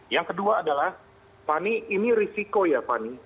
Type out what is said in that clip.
yang kedua adalah fani ini risiko ya fani